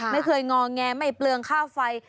ไม่เคยงอแงไม่เปลืองค่าไฟ